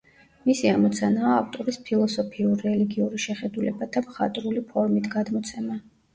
მისი ამოცანაა ავტორის ფილოსოფიურ–რელიგიური შეხედულებათა მხატვრული ფორმით გადმოცემა.